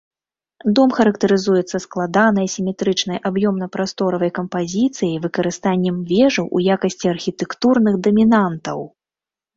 Дом характарызуецца складанай асіметрычнай аб'ёмна-прасторавай кампазіцыяй, выкарыстаннем вежаў у якасці архітэктурных дамінантаў.